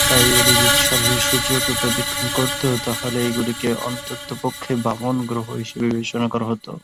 তাই এগুলি যদি সরাসরি সূর্যকে প্রদক্ষিণ করত, তাহলে এগুলিকে অন্ততপক্ষে বামন গ্রহ হিসাবে বিবেচনা করা হত।